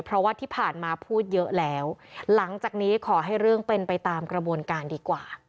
เพราะว่าที่ผ่านมาพูดเยอะแล้วหลังจากนี้ขอให้เรื่องเป็นไปตามกระบวนการดีกว่า